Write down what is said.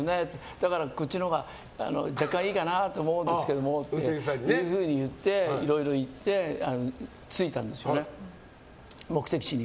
だからこっちのほうが若干いいと思うんですけどっていろいろ言って着いたんですよね、目的地に。